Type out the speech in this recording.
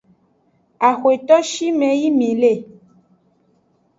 Axweto shime yi mi le.